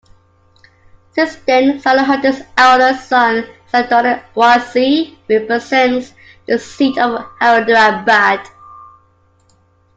Since then, Salahuddin's elder son Asaduddin Owaisi represents the seat of Hyderabad.